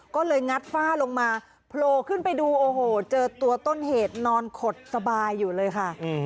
ก็เลยงัดฝ้าลงมาโผล่ขึ้นไปดูโอ้โหเจอตัวต้นเหตุนอนขดสบายอยู่เลยค่ะ